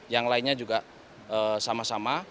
yang lainnya juga sama sama